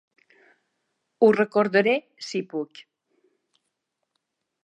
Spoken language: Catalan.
Ho recordaré, si puc!